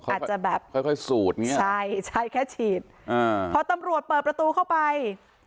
อาจจะแบบค่อยสูดใช่ใช่แค่ฉีดอ่าพอตำรวจเปิดประตูเข้าไป